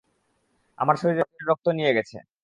আমার শরীরের রক্ত নিয়ে গেছে।